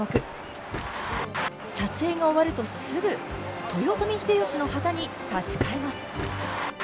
撮影が終わるとすぐ豊臣秀吉の旗に差し替えます。